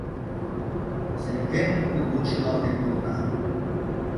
Серген кугун шӱлалтен колта.